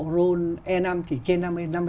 roll e năm chỉ trên năm mươi